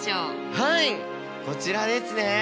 はいこちらですね。